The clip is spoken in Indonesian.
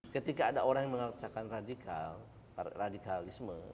ketika ada orang yang mengatakan radikal radikalisme